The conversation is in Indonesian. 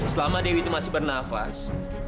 selama dewi itu masih bernafas